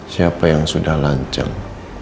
siapa yang sudah lanceng